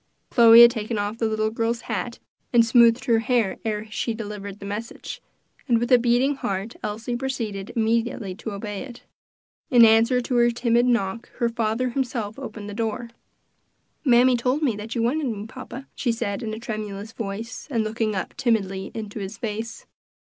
Chloe had taken off the little girl's hat and smoothed her hair ere she delivered the message, and with a beating heart Elsie proceeded immediately to obey it. In answer to her timid knock, her father himself opened the door. "Mammy told me that you wanted me, papa," she said in a tremulous voice, and looking up timidly into his face.